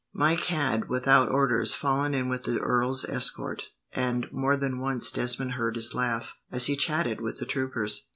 Mike had, without orders, fallen in with the earl's escort; and more than once Desmond heard his laugh, as he chatted with the troopers.